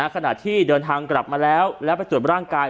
ขณะที่เดินทางกลับมาแล้วแล้วไปตรวจร่างกาย